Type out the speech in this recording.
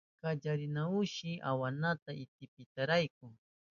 Kallaripayanahunshi awanata itipinkunarayku.